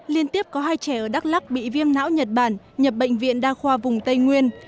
liên tiếp có hai trẻ ở đắk lắc bị viêm não nhật bản nhập bệnh viện đa khoa vùng tây nguyên